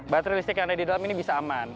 baterai listrik yang ada di dalam ini bisa aman